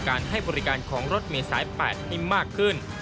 ให้บริการของรถเมษาย๘ที่มากขึ้น